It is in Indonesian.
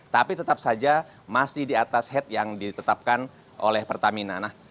tapi tetap saja masih di atas head yang ditetapkan oleh pertamina